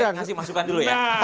kasih masukan dulu ya